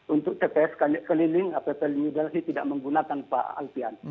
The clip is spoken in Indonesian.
untuk tps keliling ppln new delhi tidak menggunakan pak alpian